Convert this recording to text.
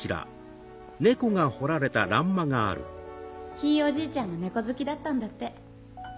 ひいおじいちゃんが猫好きだったんだって。